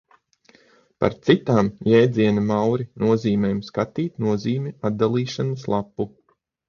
Par citām jēdziena Mauri nozīmēm skatīt nozīmju atdalīšanas lapu.